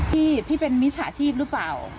พี่พี่เป็นมิจฉาชีพหรือเปล่า